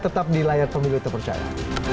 tetap di layar pemilu terpercaya